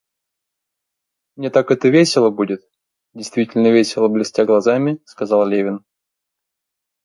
Мне так это весело будет, — действительно весело блестя глазами, сказал Левин.